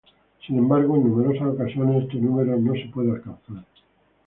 Sin embargo, en numerosas ocasiones, este número no se puede alcanzar.